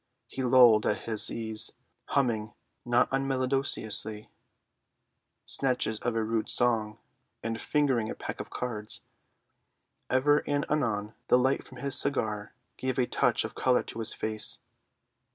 He lolled at his ease, humming, not unmelodiously, snatches of a rude song, and fingering a pack of cards. Ever and anon the light from his cigar gave a touch of colour to his face.